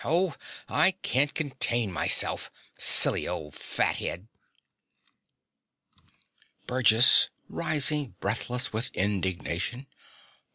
Oh, I can't contain myself silly old fathead! BURGESS (rising, breathless with indignation).